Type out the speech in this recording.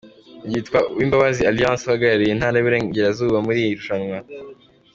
com yitwa Uwimbabazi Alliance uhagarariye intara y’Uburengerazuba muri iri rushanwa.